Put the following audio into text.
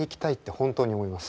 本当に思います。